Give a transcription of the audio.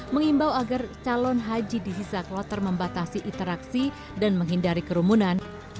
mengimbau agar calon haji di hiza kloter membatasi interaksi dan menghindari kerumunan